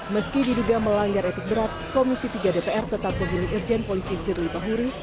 meski diduga melanggar etik berat komisi tiga dpr tetap memilih irjen polisi firly bahuri